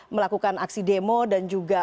melakukan aksi demo dan juga